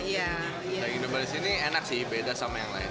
daging domba di sini enak sih beda sama yang lain